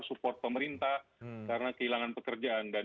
support pemerintah karena kehilangan pekerjaan